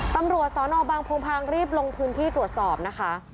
ตำรวจสนบางโพงพางรีบลงพื้นที่ตรวจสอบนะคะ